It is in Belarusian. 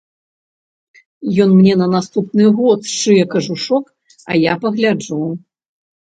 Ён мне на наступны год сшые кажушок, а я пагляджу.